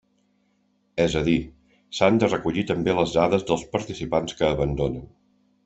És a dir, s'han de recollir també les dades dels participants que abandonen.